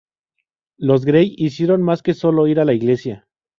Los Grey hicieron más que solo ir a la iglesia.